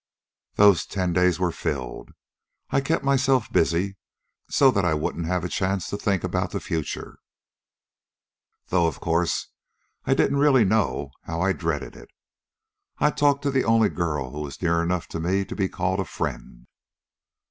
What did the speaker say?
"Those ten days were filled. I kept myself busy so that I wouldn't have a chance to think about the future, though of course I didn't really know how I dreaded it. I talked to the only girl who was near enough to me to be called a friend.